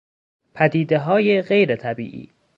پدیدههای غیر طبیعی